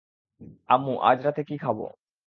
আম্মু, আজ রাতে কী খাব?